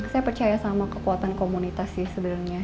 saya percaya sama kekuatan komunitas sih sebenarnya